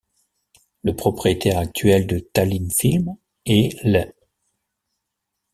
Le propriétaire actuel de Tallinnfilm est l'.